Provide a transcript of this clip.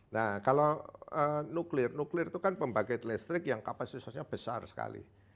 nah kalau nuklir nuklir itu kan pembangkit listrik yang kapasitasnya besar sekali